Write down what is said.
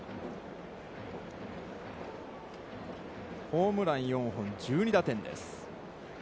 ホームラン４本、１２打点です。